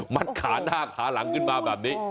ขาหน้าขาหลังขึ้นมาแบบนี้